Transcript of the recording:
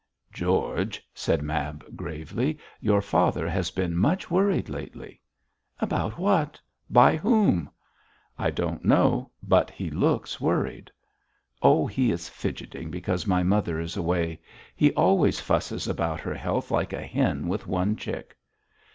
'George,' said Mab, gravely, 'your father has been much worried lately.' 'About what? By whom?' 'I don't know, but he looks worried.' 'Oh, he is fidgeting because my mother is away; he always fusses about her health like a hen with one chick.'